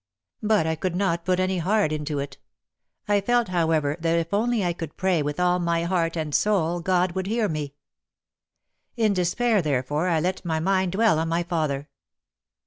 But I could not put any heart into it. I felt, however, that if I only could pray with all my heart and soul, God would hear me. In despair, therefore, I let my mind dwell on my father.